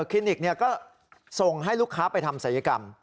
คลินิกก็ส่งให้ลูกค้าไปทำศัยกรรม